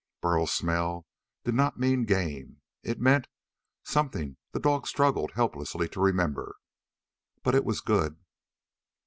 Burl's smell did not mean game. It meant something the dog struggled helplessly to remember. But it was good.